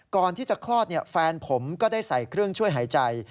ก่อนที่จะคลอดแฟนผมก็ได้ใส่เครื่องช่วยหายใจ